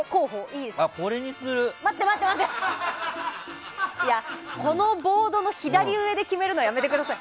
いや、このボードの左上で決めるのはやめてください。